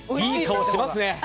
いい顔しますね！